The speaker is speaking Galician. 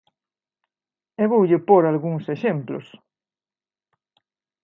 E voulle pór algúns exemplos.